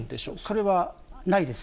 それはないです。